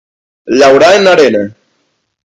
Llaurar en arena.